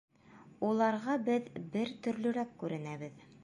Уларға беҙ бер төрлөрәк күренәбеҙ.